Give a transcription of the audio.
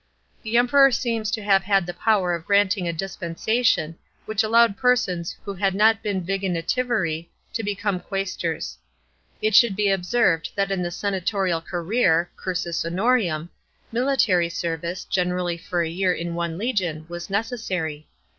The Emperor seems to have also had the power of granting a dispensa tion which allowed persons who had not been vigintiviri to become quaestors. It should be observed that in the senatorial career (cursus honorum) military bervice (generally for a year in one legion) was necessary.